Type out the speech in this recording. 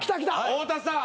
太田さん